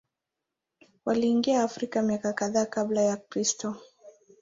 Waliingia Afrika miaka kadhaa Kabla ya Kristo.